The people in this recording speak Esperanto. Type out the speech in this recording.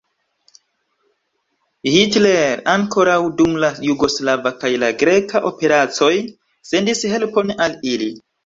Hitler ankoraŭ dum la jugoslava kaj la greka operacoj sendis helpon al ili.